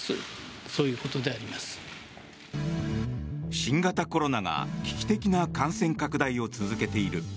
新型コロナが危機的な感染拡大を続けている。